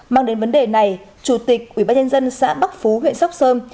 mang đến vấn đề này chủ tịch ubnd xã bắc phú huyện sóc sơn